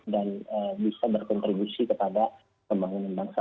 dan bisa berkontribusi kepada pembangunan bangsa